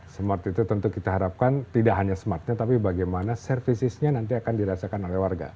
smart itu tentu kita harapkan tidak hanya smartnya tapi bagaimana servicesnya nanti akan dirasakan oleh warga